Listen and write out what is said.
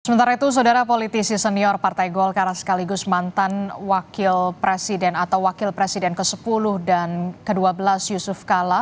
sementara itu saudara politisi senior partai golkar sekaligus mantan wakil presiden atau wakil presiden ke sepuluh dan ke dua belas yusuf kala